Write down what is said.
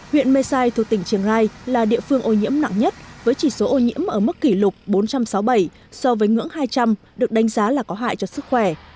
huyện mê sai thuộc tỉnh triềng rai là địa phương ô nhiễm nặng nhất với chỉ số ô nhiễm ở mức kỷ lục bốn trăm sáu mươi bảy so với ngưỡng hai trăm linh được đánh giá là có hại cho sức khỏe